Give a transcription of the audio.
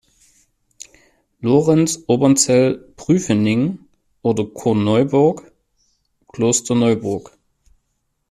Lorenz, Obernzell, Prüfening oder Korneuburg–Klosterneuburg.